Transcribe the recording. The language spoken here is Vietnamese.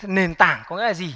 nền tảng có nghĩa là gì